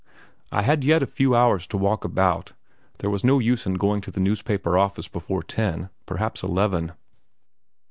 I had yet a few hours to walk about; there was no use in going to the newspaper office before ten, perhaps eleven.